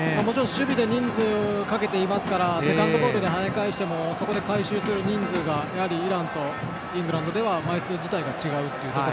守備で人数をかけていますからセカンドボールで跳ね返しても回収する人数がイランとイングランドでは枚数自体が違うので。